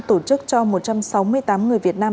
tổ chức cho một trăm sáu mươi tám người việt nam